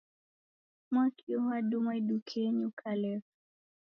Mwakio wadumwa idukenyii ukalegha.